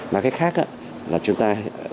nói cách khác là chúng ta